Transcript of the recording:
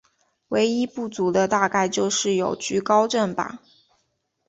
唯一不足的大概就是有惧高症吧。